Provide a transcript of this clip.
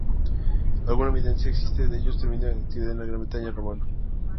Alguna evidencia existe de ellos teniendo actividad en la Gran Bretaña Romana.